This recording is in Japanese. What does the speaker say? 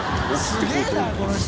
すげぇなこの人。